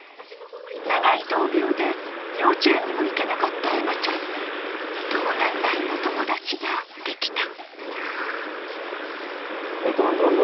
長い闘病で幼稚園にも行けなかった恵麻ちゃんに同年代の友達ができた。